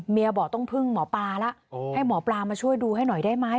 บอกต้องพึ่งหมอปลาแล้วให้หมอปลามาช่วยดูให้หน่อยได้ไหม